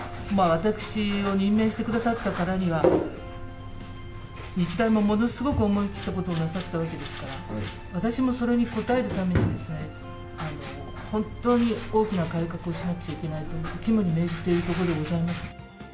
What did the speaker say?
私を任命してくださったからには、日大もものすごく思い切ったことをなさったわけですから、私もそれに応えるためにですね、本当に大きな改革をしなくちゃいけないと、肝に銘じているところでございます。